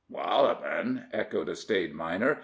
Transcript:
"Wallopin'!" echoed a staid miner.